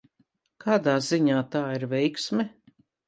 Kādā ziņā tā ir veiksme?